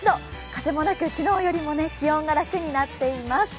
風もなく、昨日よりも気温が楽になっています。